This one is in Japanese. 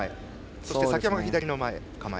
そして崎山が左の構え。